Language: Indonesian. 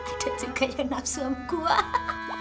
ada juga yang napsom gue